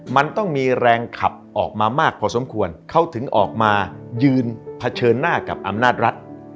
มันต้องมีแรงขับออกมามากพอสมควรเขาถึงออกมายืนเผชิญหน้ากับอำนาจรัฐ